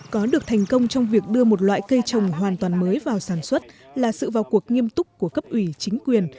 có được thành công trong việc đưa một loại cây trồng hoàn toàn mới vào sản xuất là sự vào cuộc nghiêm túc của cấp ủy chính quyền